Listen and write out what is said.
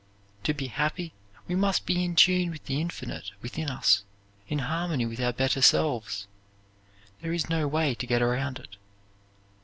To be happy, we must be in tune with the infinite within us, in harmony with our better selves. There is no way to get around it.